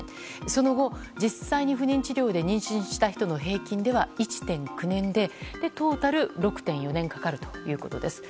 その後、実際に不妊治療で妊娠した人の平均では１．９年でトータル６．４年かかるということです。